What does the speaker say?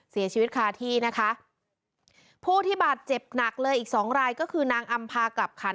เสียชีวิตคาที่นะคะผู้ที่บาดเจ็บหนักเลยอีกสองรายก็คือนางอำพากลับขัน